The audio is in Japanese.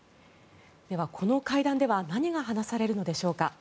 では、この会談では何が話されるのでしょうか。